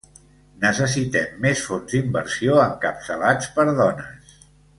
Necessitem més fons d’inversió encapçalats per dones.